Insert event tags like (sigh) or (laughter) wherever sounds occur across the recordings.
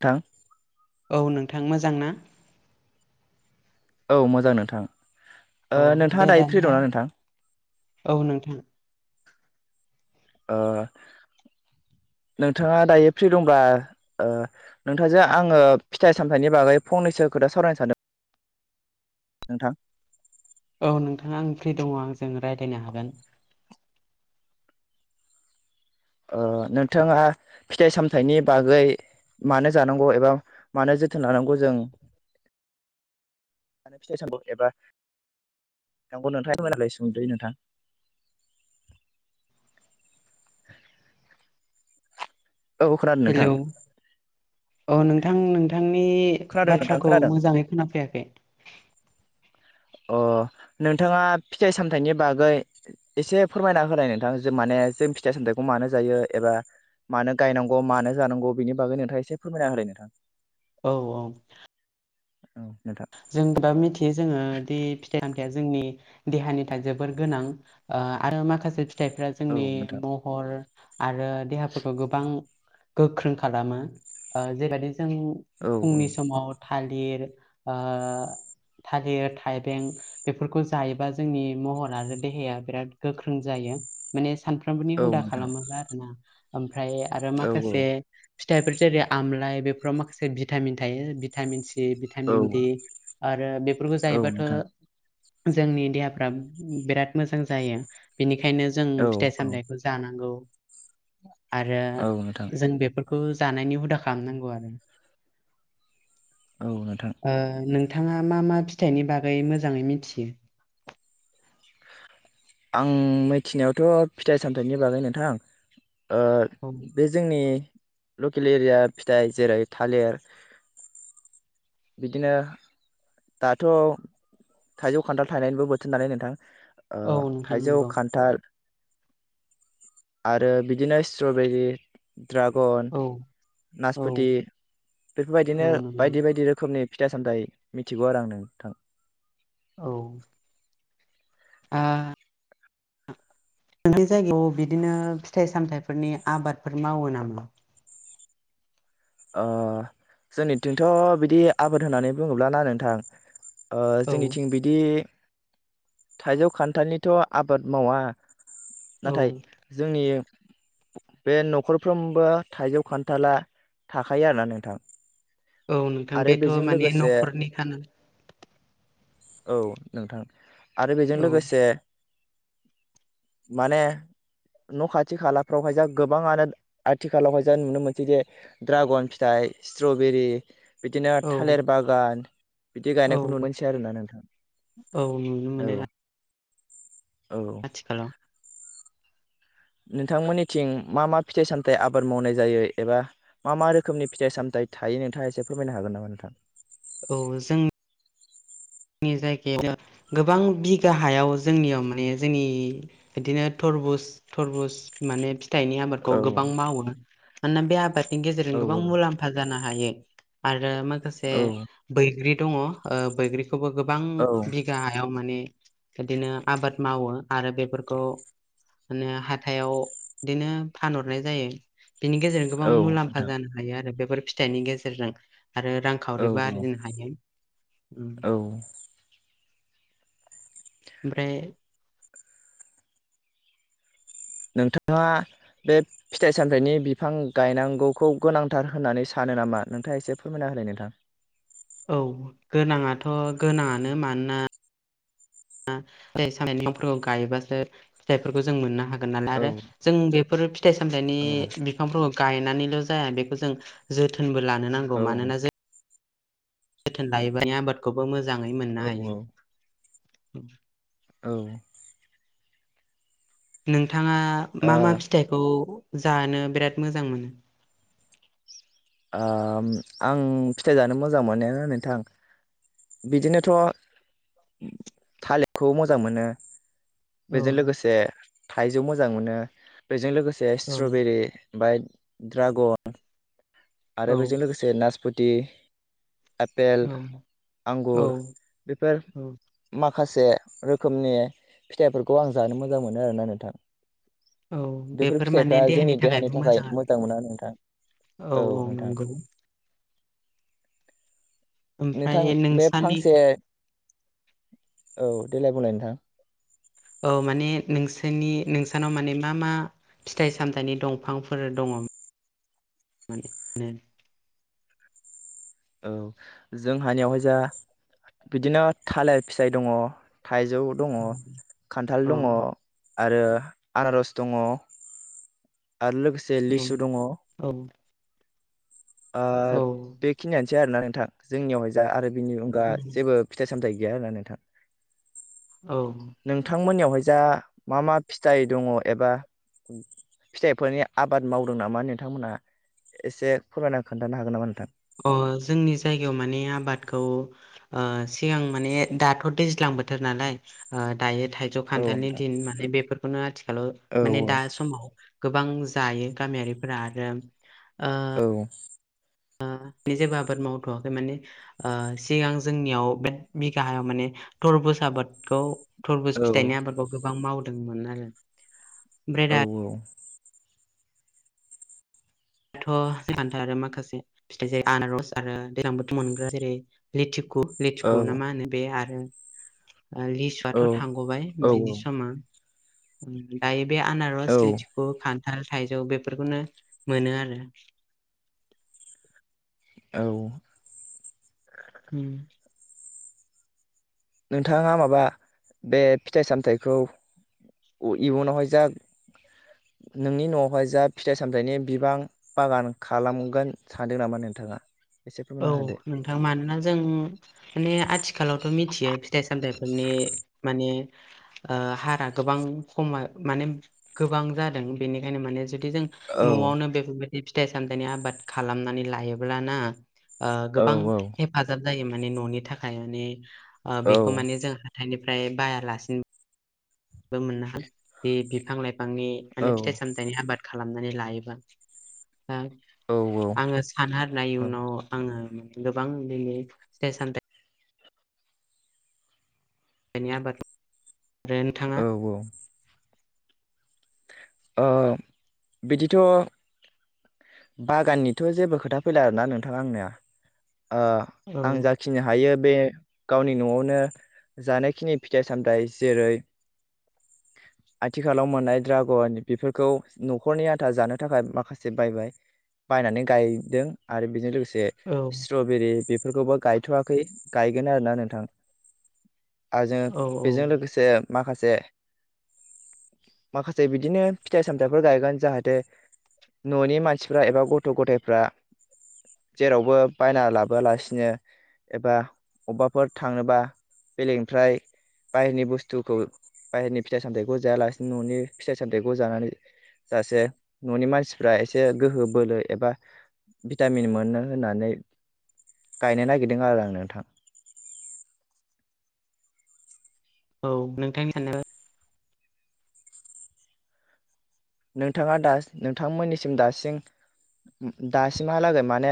थां औ नोंथां मोजां ना औ मोजां नोंथां। औ ओ दे नोंथाङा दायो फ्रि दानिया दंना नोंथां। औ नोंथां आ (inaudible) नोंथाङा दायो फ्रि दंब्ला नोंथांजों आङो फिथाइ -सामथाइनि बागै फंनैसो खोथा सावरायनो सानदों। नोंथां औ नोंथां आं फ्रि दङ आंजों रायज्लायनो हागोन आ नोंथाङा फिथाइ -सामथाइनि बागै मानो जानांगौ एबा मानो जोथोन लानांगौ जों ज (unintelligible) फिथाइ - सामथाइ एबा (inaudible) (inaudible) औ खोनादों नोंथां हेलौ अ नोंथां नोंथां थांनि खोनादों नोंथां बाथ्राखौ खोनादों मोजाङै खोनाफैयाखै। अ नोंथांङा फिथाइ सामथाइनि बागै एसे फोरमायना होनाय नोंथां जे माने जों फिथाइ सामथाइखौ मानो जायो एबा मानो गायनांगौ मानो जानांगौ बिनि बागै नोंथांङा एसे फोरमायना होलाय नोंथां। औ औ। औ। नोंथां जों दा मिथियो जोंङो दि फिथाइ सामथाइ आ जोंनि देहानि थाखाय जोबोर गोनां ओ आरो माखासे फिथाइफ्रा औ जोंनि नोंथां महर आरो देहाफोरखौ गोबां गोख्रों खालामो ओ जेबायदि जों फुंनि समाव थालिर आ थालिर थाइबें बेफोरखौ जायोबा जोंनि महर आरो देहाया बिराद गोख्रों जा जायो माने सानफ्रामबोनि औ हुदा नोंथां खालामोब्ला आरोना ओमफ्राय आरो औ माखासे फिथाइफोर जेरै आमलाय बेफोराव माखासे भिटामिन थायो भिटामिन सि औ भिटामिन दि आरो बेफोरखौ औ जायोबाथ' नोंथां जोंनि देहाफ्रा बिराद मोजां जायो बिनि खायनो जों औ फिथाइ सामथाइखौ जानांगौ आरो औ नोंथां जों बेफोर खौ जानायनि हुदा खालामनांगौ आरो। औ नोंथां। ओ नोंथांङा मा मा फिथाइनि बागै मोजांङै मिथियो? आं मिथिनायावथ' फिथाइ सामथायाइनि बागै नोंथां ओ औ बे जोंनि लकेल एरिया फिथाइ जेरै थालिर बिदिनो दाथ' थाइजौ खान्थाल थायनायनिबो बोथोर नालाय नोंथां ओ औ नोंथां थाइजौ नंगौ खान्थाल आरो बिदिनो स्ट्रबेरि ड्रागन औ औ नासपथि बेफोरबायदिनो औ नंगौ बायदि बायदि रोखोमनि फिथाइ सामथाइ मिथिगौ आरो आं नोंथां। औ। आ नोंनि जायगायाव बिदिनो फिथाइ सामथायाइफोरनि आबादफोर मावो नामा? अ जोंनिथिंथ' बिदि आबाद होननानै बुङोब्ला ना नोंथां ओ औ जोंनिथिं बिदि थाइजौ खान्थालनिथ' आबाद मावा औ नाथाय जोंनि बे न'खरफ्रोमबो थाइजौ खान्थाला थाखायो आरोना नोंथां। औ नोंथां आरो बेथ' बेजों माने लोगोसे न'खरनि खाना। औ नोंथां आरो बेजों औ लोगोसे (inaudible) माने न' खाथि खालाफ्रावहाय जा गोबांङानो आथिखालावहाय जा नुनो मोनसै जे दड्रागन फिथाइ स्ट्रबेरि बिदिनो औ थालिर बागान बिदि औ गायनायखौ नुनो मोनसै आरोना नोंथां औ नुनो मोनो औ। औ आथिखालाव नोंथांमोननिथिं मा मा फिथाइ सामथाइ आबाद मावनाय जायो एबा मा मा रोखोमनि फिथाइ सामथाइ थायो नोंथांङा एसे फोरमायनो हागोन नामा नोंथां? औ जों नि जायगायाव गोबां बिगा हायाव जोंनियाव माने जोंनि बिदिनो थर थरबुज थरबुज माने थाइनि आबादखौ औ गोबां मावोना मानोना बे आबादनि गेजेरजों औ गोबां मुलाम्फा जाना हायो आरो माखासे औ बैग्रि दङ ओ बैग्रि खौबो गोबां औ बिघा हायाव मा ने बिदिनो आबाद मावो आरो बेफोरखौ हानो हाथायाव बिदिनो फानहरनाय जायो। बिनि गेजेरजों गोबां औ मुलाम्फा नोंथां जानो हायो आरो बेफोर फिथाइनि गेजेरजों। आरो औ रांखावरिबो औ आरजिनो हायो उम। औ ओमफ्राय नोंथाङा बे फिथाइ सामथाइनि बिफां गायनांगौखौ गोनांथार होननानै सान नामा नोंथाङा एसे फोरमायना होलाय नोंथां। औ गोनाङाथ' गोनाङानो मानोना आ फिथाइ सामथाइनि बिफांफोरखौ गायबासो फिथायफोरखौ जों मोननो हा गोन नाला औ आरो जों बेफोर फिथाइ सामथाइनि औ बिफांफोरखौ गायनानैल' जाया बेखौ जों जोथोनबो लानो नांगौ औ मानोना जों थोन लायोबा आबादखौबो मोजाङै औ मोननो हायो उम। औ। नोंथाङा मा मा फिथाइखौ जानो बिराद मोजां मोनो? ओम आं फिथाइ जानो मोजां मोनो नोंथां। बिदिनोथ' थालिरखौ मोजां मोनो। औ बेजों लोगोसे थाइजौ मोजां मोनो बेजों लोगोसे औ स्ट्रबेरि ओमफाय ड्रागन आरो औ बेजों लोगोसे नासप'ति आपेल, औ आंगुर औ बेफोर औ मा खासे रोखोमनि फिथाइफोरखौ आं जानो मोजां मोनो आरोना नोंथां। बेफोर फिथाइफ्रा जोंनि देहानि थाखाय मोजां मोना नोंथां। औ नोंथां। नोंथां ओमफ्राय बे नोंसानि फांसे औ देलाय बुंलाय नोंथां। औ माने नोंसोरनि नोंसानाव माने मा मा फिथाइ सामथाइनि दंफांफोर दङ' माने नो औ जोंहानियावहाय जा बिदिनो थालिर फिसाय दङ'। थाइजौ दङ', औ खान्थाल दङ' आरो आनारस दङ' आरो लोगोसे लिसु दङ'। औ ओह औ बेखिनियानोसै आरोना नोंथां जोंनियावहाय जा आरो बिनि अनगा जेबो फिथाइ सामथाइ गैया आरोना नोंथां। औ औ नोंथांमोननियावहाय जा मा मा फिथाइ दङ' एबा फिथाइफोरनि आबाद मावदों नामा नोंथांमोनहा एसे फोरमायना खोन्थानो हागोन नामा नोंथां? अ' जोंनि जायगायाव माने आबादखौ ओ सिगां माने दाथ' दैज्लां बोथोर नालाय ओ दायो थाइजौ औ खान्थालनि नोंथां दिन माने बेफोरखौनो आथिखालाव औ माने दा समाव गोबां जायो गामियारि फोरा आरो औ। ओ बे जेबो आबाद मावथ'वाखै माने ओ सिगां जोंनियाव बे बिघा हायाव माने थरबज आबादखौ थुरबुज औ फिथाइनि आबादखौ गोबां मावदोंमोन आरो। ओमफ्राय औ औ। दाथ' खान्थाल आरो माखासे फिथाइ जायो आनारस आरो दैज्लां बोथ' मोनग्रा जेरै लिथु खु लेथुखु ना मा औ होनो बे आरो लिसुआथ' थांग'बाय औ बेनि समा दायो बे औ आनारस लिथुखु, खान्थाल, थाइजौ बेफोरखौनो मोनो आरो। औ हम नोंथाङा माबा बे फिथाइ सामथायाइखौ इउनावहाय जा नोंनि न'आवहाय जा फिथाइ सामथायाइनि बिबां बागान खालामगोन सानदों नामा नोंथाङा एसे औ फोरमायना होदो नोंथां मानोना जों माने आथिखालावथ' मिथियो फिथाइ सामथाइफोरनि माने हारा गोबां खम गोबां जादों बेनिखायनो माने ज जदि जों औ न'आवनो बेफोरबायदि फिथाइ सामथाइनि आबाद खालामनानै लायोब्लाना ओ औ गोबां हेफाजाब जायो माने न'नि थाखाय माने औ बेखौ माने जों हाथाइनि ओमफ्राय बायालासिनो मोननो हा बे बिफां लाइफांनि माने फिथाइ औ सामथाइनि आबाद खालामनानै लायोबा दा औ आङो सानहारनाय औ उनाव आङो गोबां दिनै फिथाइ सामथ दानिया आबा औ औ ओ बिदिथ' बागाननिथ' जेबो खोथा फैला आरोना नोंथाङा आंनिया ओ औ आं जाखिनि हायो बे गावनि न'आवनो जानायखिनि फिथाइ सामथाइ जेरै आथिखालाव मोननाय द्रागनि बेफोरखौ न'खरनि आथा जानो थाखाय माखासे बायबाय बायनानै गायदों आरो बेजों लोगोसे जे औ स्ट्रबेरि बेफोरखौबो गायथ'वाखै गायगोन आरो ना नोंथां आरो जों औ बेजों लोगोसे माखासे माखासे बिदिनो फिथाइ सामथाइफोर गायगोन जाहाथे न'नि मानसिफ्रा एबा गथ' गथायफ्रा जेरावबो बायना लाबोलासिनो एबा अबेबाफोर थांनोबा बेलेगनिफ्राय बाहेरनि बुस्थुखौ बाहेरनि फिथाइ सामथायाइखौ जायालासिनो न'नि फिथाइ सामथाइ जानानै ससे न'नि मानसिफ्रा एसे गोहो बोलो एबा भिटामिन मोनो होननानै गायनो नागिरदों आरो आं नोंथां औ नोंथांनि सानो नोंथाङा दा नोंथांमोननिसिम दासिम दासिमहालागै माने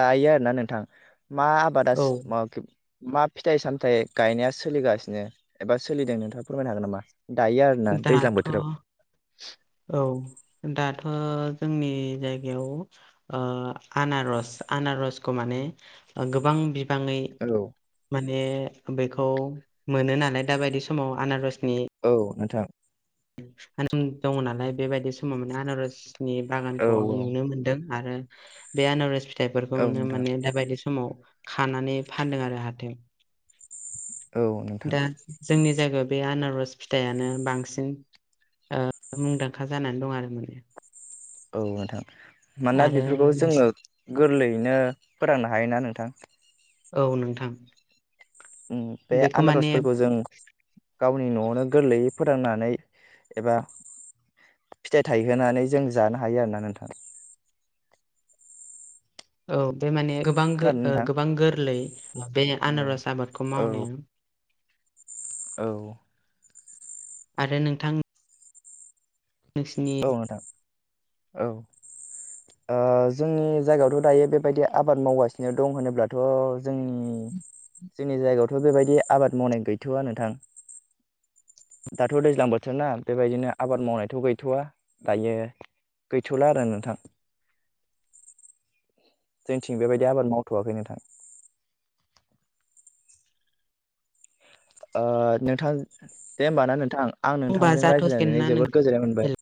दायो आरोना नोंथां मा आबादा औ मा मा फिथाइ सामथाइ गायनाया सोलिगासिनो एबा सोलिदों नोंथाङा फोरमायनो हागोन नामा दायो आरोना दैज्लां दाथ' बोथोराव। औ दाथ जोंनि जायगायाव ओ आनारस आ आनारसखौ माने गोबां बिबां बाङै औ माने बेखौ मोनो नालाय दा बायदि समाव आनारस औ नोंथां। दङ नालाय बेबायदि समाव माने आनारसनि औ बागानखौ आं औ नुनो मोनदों आरो बे आनारेस औ फिथाइफोरखौनो नोंथां माने दााबायदि समाव खानानै फानदों आरो हाथायाव। औ नोंथां दा जोंनि जायगायाव बे आनारस फिथायानो बांसिन। ओ मुंदांखा जानानै दं आरो माने। औ नोंथां मानोना आरो बेफोरखौ नोंसि जोङो गोरलैयैनो फोथांनो हायोना नोंथां? औ नोंथां। उम बे बेखौ माने आनारसफोरखौ जों गावनि नआवनो गोरलैयै फोथांनानै एबा फिथाइ थायहोनानै जों जानो हायो आरोना नोंथां। औ बे माने गोबां खोनादों ओ नोंथां गोबां गोरलै बे औ आनारस आबादखौ औ मावनाया। औ आरो नोंथां नोंसिनि औ नोंथां औ ओ जोंनि जायगायावथ दायो बेबायदि आबाद मावगासिनो दं होनोब्लाथ जोंनि जोंनि जायगायावथ बेबायदि आबाद मावनाय गैथवा नोंथां। दाथ दैज्लां बोथोर ना बेबायदिनो आबाद मावनायथ गै थआ दायो गैथला आरो नोंथां। जोंनिथिं बेबायदि आबाद मावथआाखै नोंथां। ओ नोंथां दे होमब ना नोंथां। आं होनबा नोंथांजों जाथ'सिगोन रायज्लायनानै ना नों जोबोद गोजोननाय मोनबाय। हेल'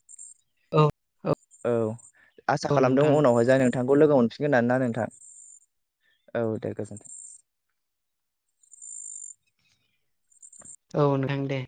औ आसा औ खालामदों नोंथां उनावहाय जाय नोंथांखौ लोगो मोनफिन गोन आरोना नोंथां औ दे गोजोनथों। औ नोंथां दे।